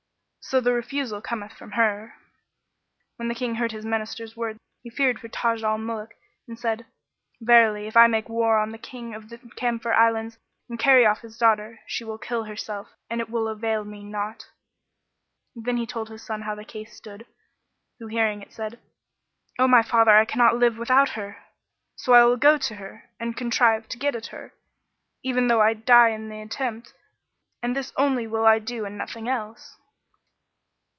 So the refusal cometh from her." When the King heard his Minister's words he feared for Taj al Muluk and said, "Verily if I make war on the King of the Camphor Islands and carry off his daughter, she will kill herself and it will avail me naught." Then he told his son how the case stood, who hearing it said, "O my father, I cannot live without her; so I will go to her and contrive to get at her, even though I die in the attempt, and this only will I do and nothing else."